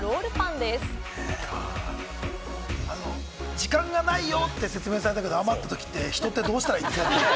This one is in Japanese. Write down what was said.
時間がないよ！って説明されたけれど、余ったときって人ってどうしたらいいんですかね？